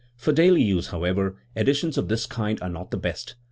For daily use, however, editions of this kind arc not the best.